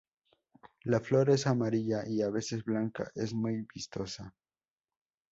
La flor es amarilla y a veces blanca, es muy vistosa.